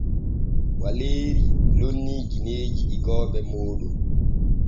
Waleeri lonnii gineeji igooɓe mooɗon.